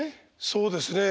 そうですね。